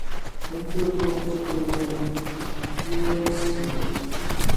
Enfield Public School is on Beaumaris Street.